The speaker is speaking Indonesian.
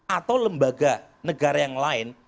atau lembaga negara yang lain